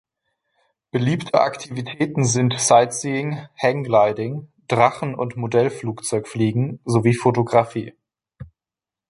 Beliebte Aktivitäten sind Sightseeing, Hang Gliding, Drachen- und Modellflugzeugfliegen sowie Fotografie.